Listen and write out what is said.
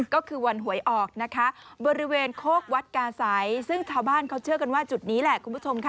ก็คือวันหวยออกนะคะบริเวณโคกวัดกาศัยซึ่งชาวบ้านเขาเชื่อกันว่าจุดนี้แหละคุณผู้ชมค่ะ